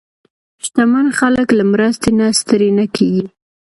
شتمن خلک له مرستې نه ستړي نه کېږي.